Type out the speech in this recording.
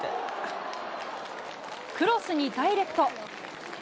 クロスにダイレクト。